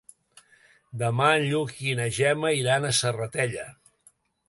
Demà en Lluc i na Gemma iran a la Serratella.